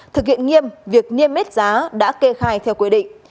thực hiện nghiêm việc nghiêm mết giá đã kê khai theo quyết định